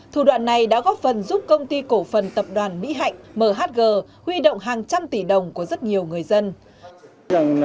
thủ đoạn này đã góp phần giúp công ty cổ phần tập đoàn mỹ hạnh mhg huy động hàng trăm tỷ đồng của rất nhiều người dân